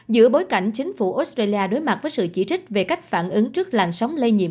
giữa bối cảnh chính phủ australia đối mặt với sự chỉ trích về cách phản ứng trước làn sóng lây nhiễm